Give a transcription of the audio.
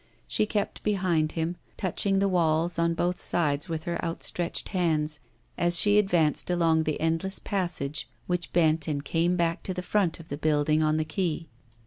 She kept behind him, touching the walls on both sides with her outstretched hands, as she advanced along that endless passage which bent and came back to the front of the building on the quay.